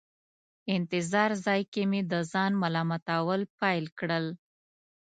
انتظار ځای کې مې د ځان ملامتول پیل کړل.